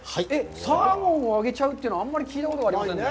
サーモンを揚げちゃうってあんまり聞いたことがありませんね。